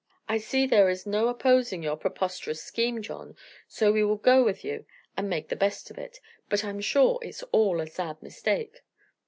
"I see there is no opposing your preposterous scheme, John, so we will go with you and make the best of it. But I'm sure it's all a sad mistake.